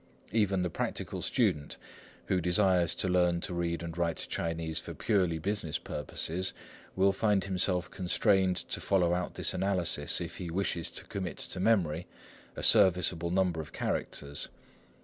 Even the practical student, who desires to learn to read and write Chinese for purely business purposes, will find himself constrained to follow out this analysis, if he wishes to commit to memory a serviceable number of characters.